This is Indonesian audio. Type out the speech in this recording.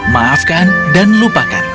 maafkan dan lupakan